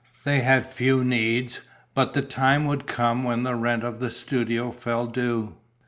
They had few needs, but the time would come when the rent of the studio fell due.